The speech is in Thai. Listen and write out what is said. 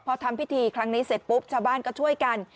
พอทำพิธีครั้งนี้เสร็จปุ๊บชาวบ้านก็ช่วยกัน